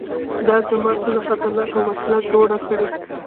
دا ما څونه خطرناکه وسله جوړه کړې.